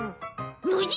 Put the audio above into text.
ノジ！